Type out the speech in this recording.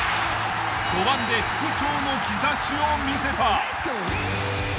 ５番で復調の兆しを見せた。